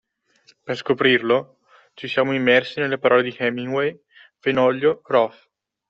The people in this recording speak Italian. Per scoprirlo, ci siamo immersi nelle parole di Hemingway, Fenoglio, Roth